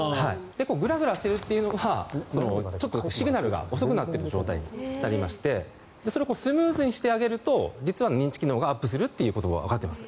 グラグラしてるのはシグナルが遅くなってる状態になりましてそれをスムーズにしてあげると実は認知機能がアップすることがわかっています。